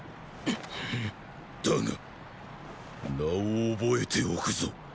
だが名を覚えておくぞ。